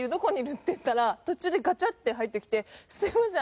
っていったら途中でガチャッて入ってきて「すみません